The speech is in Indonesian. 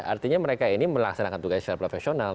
artinya mereka ini melaksanakan tugasnya secara profesional